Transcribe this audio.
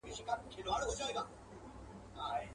تشي کیسې د تاریخونو کوي.